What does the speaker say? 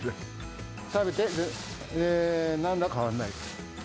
食べて、なんら変わらない。